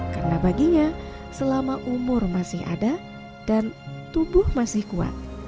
karena baginya selama umur masih ada dan tubuh masih kuat